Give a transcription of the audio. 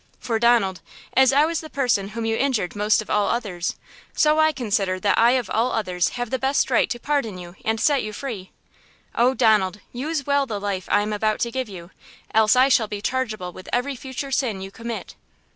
For, Donald, as I was the person whom you injured most of all others, so I consider that I of all others have the best right to pardon you and set you free. Oh, Donald! Use well the life I am about to give you, else I shall be chargeable with every future sin you commit!"